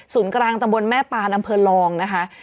ศูนย์กรางตำบลแม่ปานอำเภอลองนะคะ